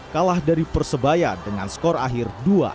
kalah dari persebaya dengan skor akhir dua